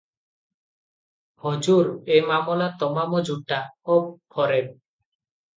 "ହଜୁର ଏ ମାମଲା ତମାମ ଝୁଠା ଓ ଫରେବ ।